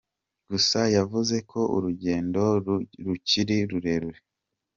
Gusa yavuze ko urugendo rukiri rurerure.